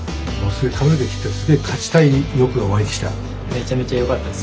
めちゃめちゃよかったです